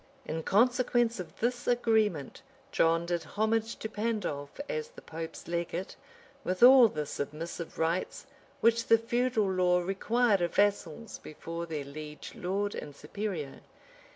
] In consequence of this agreement, John did homage to Pandolf as the pope's legate, with all the submissive rites which the feudal law required of vassals before their liege lord and superior.